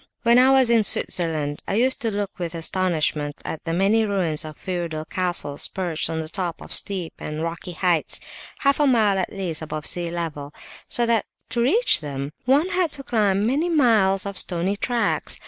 When I was in Switzerland I used to look with astonishment at the many ruins of feudal castles perched on the top of steep and rocky heights, half a mile at least above sea level, so that to reach them one had to climb many miles of stony tracks.